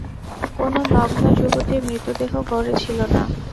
কোনো নগ্ন যুবতীর মৃতদেহ গড়ে ছিল না।